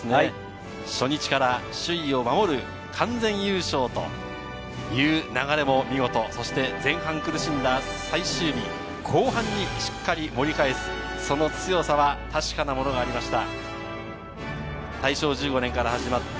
初日から首位を守る完全優勝という流れを見事、そして前半苦しんだ最終日、後半にしっかり盛り返す、その強さは確かなものがありました。